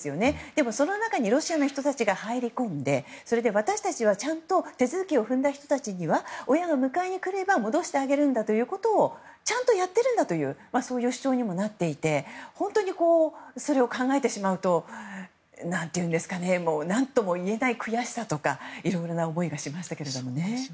でも、その中にロシアの人たちが入り込んで私たちはちゃんと手続きを踏んだ人たちには親が迎えに来れば戻してあげるんだということをちゃんとやっているという主張にもなっていて本当にそれを考えてしまうと何とも言えない悔しさとかいろいろな思いがしましたね。